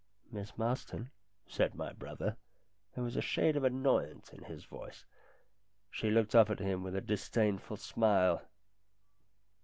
" Miss Marston," said my brother. There was LINDA 283 a shade of annoyance in his voice. She looked up at him with a disdainful smile.